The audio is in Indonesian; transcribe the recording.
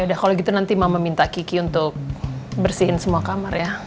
udah kalau gitu nanti mama minta kiki untuk bersihin semua kamar ya